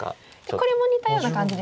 これも似たような感じですね。